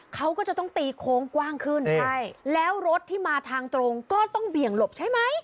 เขาก็จะต้องตีโค้งกว้างขึ้นใช่แล้วรถที่มาทางตรงก็ต้องเบี่ยงหลบใช่ไหม